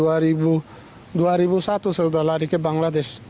saya lari dari dua ribu satu saya sudah lari ke bangladesh